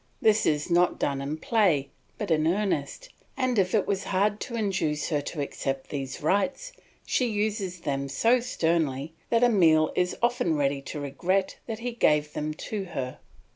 This is not done in play, but in earnest, and if it was hard to induce her to accept these rights, she uses them so sternly that Emile is often ready to regret that he gave them to her.